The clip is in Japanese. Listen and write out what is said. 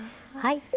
はい。